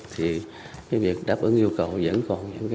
thì cái việc đáp ứng nhu cầu vẫn còn những hạn chế